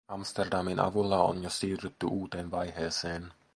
Amsterdamin avulla on jo siirrytty uuteen vaiheeseen.